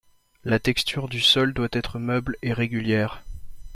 La texture du sol doit être meuble et régulière.